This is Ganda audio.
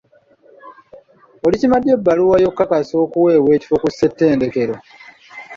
Oli kima ddi ebbaluwa yo kakasa okuweebwa ekifo ku ssettendekero?